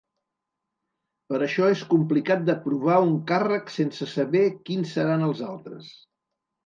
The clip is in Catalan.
Per això és complicat d’aprovar un càrrec sense saber quins seran els altres.